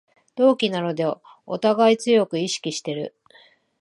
同期なのでおたがい強く意識してる